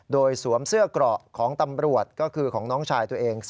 โดยสวมเสื้อเกราะของตำรวจก็คือของน้องชายตัวเอง